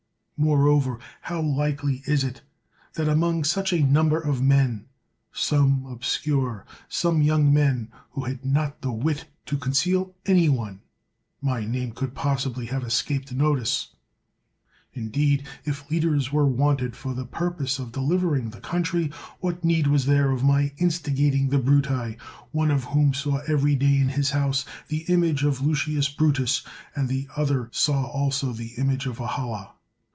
Moreover, how likely it is, that among such a number of men, some obscure, some young men who had not the wit to conceal any one, my name could possibly have escaped notice? Indeed, if leaders were wanted for the purpose of deliver ing the country, what need was there of my instigating the Bruti, one of whom saw every day in his house the image of Lucius Brutus^ and the other saw also the image of Ahala?